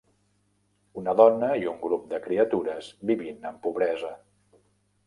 Una dona i un grup de criatures vivint en pobresa.